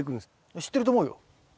知ってると思うよ。